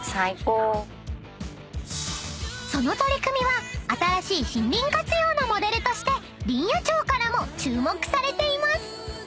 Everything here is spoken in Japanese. ［その取り組みは新しい森林活用のモデルとして林野庁からも注目されています］